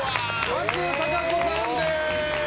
松たか子さんです。